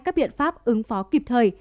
các biện pháp ứng phó kịp thời